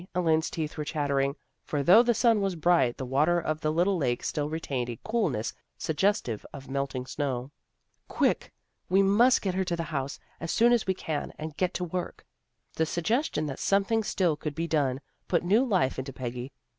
Elaine's teeth were chat tering, for though the sun was bright the water of the little lake still retained a coolness sug gestive of melting snow. " Quick! We must get her to the house, as soon as we can, and get to work." The suggestion that something still could be done, put new life into Peggy.